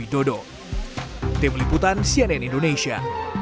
tanpa didorong oleh pihak manapun termasuk presiden joko widodo